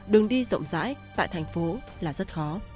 đường đi rộng rãi tại thành phố là rất khó